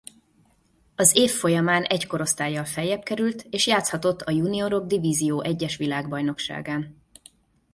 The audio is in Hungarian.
Az év folyamán egy korosztállyal feljebb került és játszhatott a juniorok divízió egyes világbajnokságán.